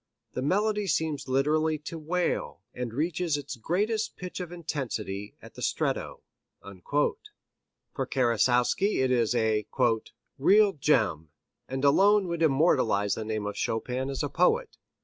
The melody seems literally to wail, and reaches its greatest pitch of intensity at the stretto." For Karasowski it is a "real gem, and alone would immortalize the name of Chopin as a poet."